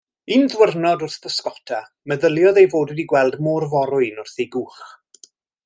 Un diwrnod wrth bysgota, meddyliodd ei fod wedi gweld môr-forwyn wrth ei gwch.